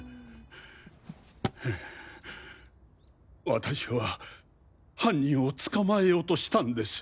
私は犯人を捕まえようとしたんです。